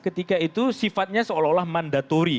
ketika itu sifatnya seolah olah mandatori